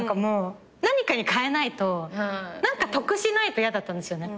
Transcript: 何かにかえないと何か得しないと嫌だったんですよね。